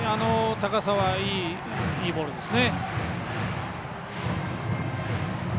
高さはいいボールですね。